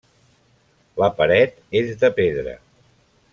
La paret és de pedra.